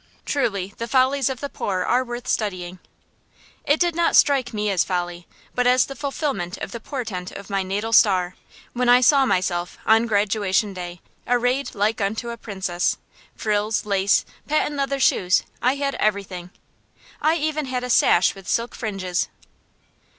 Truly, the follies of the poor are worth studying. It did not strike me as folly, but as the fulfilment of the portent of my natal star, when I saw myself, on Graduation Day, arrayed like unto a princess. Frills, lace, patent leather shoes I had everything. I even had a sash with silk fringes.